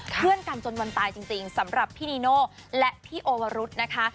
เพื่อนกันจนวันตายจริงสำหรับพี่นีโน่และพี่โอวรุษนะคะ